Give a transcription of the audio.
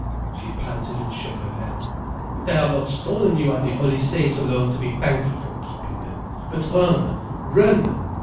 She panted and shook her head. "If they are not stolen, you have the Holy Saints alone to be thankful for keeping them. But run, run!"